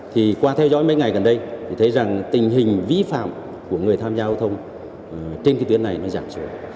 thì qua theo dõi mấy ngày gần đây thì thấy rằng tình hình vi phạm của người tham gia giao thông trên cái tuyến này nó giảm xuống